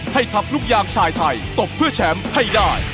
ให้ทัพลูกยางชายไทย